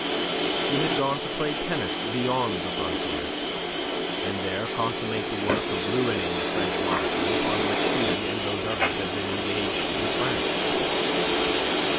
He had gone to play tennis beyond the frontier and there consummate the work of ruining the French monarchy upon which he and those others had been engaged in France.